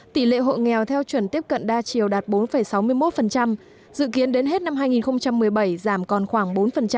tỷ lệ hộ nghèo theo chuẩn tiếp cận đa chiều đạt bốn sáu mươi một dự kiến đến hết năm hai nghìn một mươi bảy giảm còn khoảng bốn